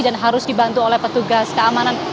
dan harus dibantu oleh petugas keamanan